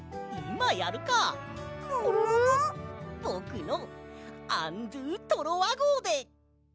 ぼくのアン・ドゥ・トロワごうで！